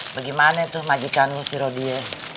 bagaimana tuh majikanmu si rodia